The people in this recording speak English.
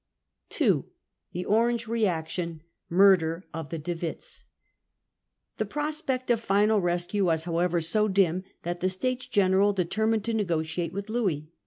2. Tiir Orange Reaction. Murder of the De Witts. The prospect of final rescue was however so dim, that the States General determined to negotiate with Louis.